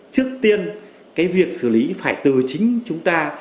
trước tiên cái việc xử lý phải từ chính chúng ta